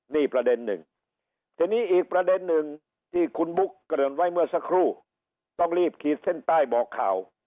นี่ประเด็นหนึ่งทีนี้อีกประเด็นหนึ่งที่คุณบุ๊กเกริ่นไว้เมื่อสักครู่ต้องรีบขีดเส้นใต้บอกข่าว